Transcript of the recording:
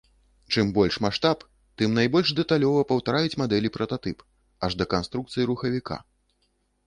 Чым больш маштаб, тым найбольш дэталёва паўтараюць мадэлі прататып, аж да канструкцыі рухавіка.